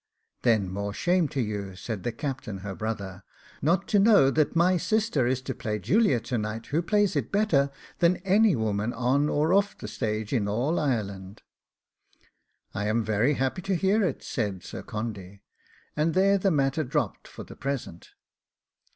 'Then more shame for you,' said the captain her brother, 'not to know that my sister is to play Juliet to night, who plays it better than any woman on or off the stage in all Ireland.' 'I am very happy to hear it,' said Sir Condy; and there the matter dropped for the present.